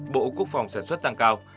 bộ quốc phòng sản xuất tăng cao